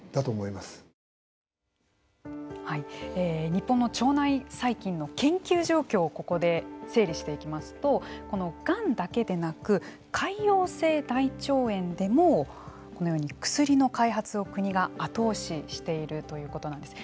日本の腸内細菌の研究状況をここで整理していきますとがんだけでなく潰瘍性大腸炎でもこのように薬の開発を国が後押ししているということなんです。